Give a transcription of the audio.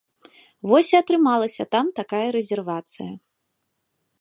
Вось і атрымалася там такая рэзервацыя.